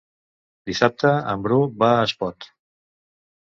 Dissabte en Bru va a Espot.